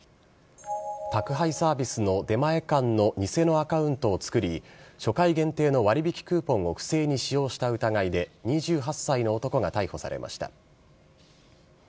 宅配サービスの出前館の偽のアカウントを作り、初回限定の割引クーポンを不正に使用した疑いで２８歳の男が逮捕されました。